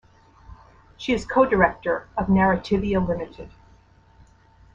She is co-director of Narrativia Limited.